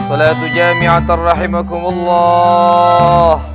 selalu jamiatan rahimahkumullah